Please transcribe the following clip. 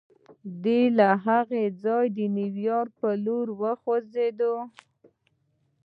دی له هغه ځايه د نيويارک پر لور وخوځېد.